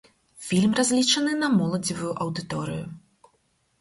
Фільм разлічаны на моладзевую аўдыторыю.